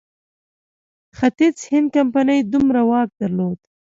ختیځ هند کمپنۍ دومره واک درلود.